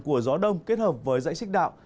của gió đông kết hợp với dãy xích đạo